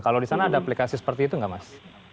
kalau di sana ada aplikasi seperti itu nggak mas